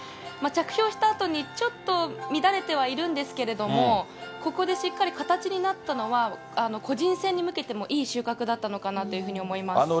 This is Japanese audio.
着氷したあとにちょっと乱れてはいるんですけれども、ここでしっかり形になったのは、個人戦に向けてもいい収穫だったのかなというふうに思います。